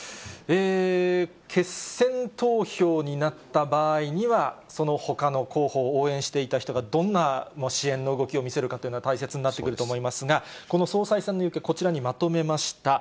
決選投票になった場合には、そのほかの候補を応援していた人が、どんな支援の動きを見せるかというのは、大切になってくると思いますが、この総裁選の行方、こちらにまとめました。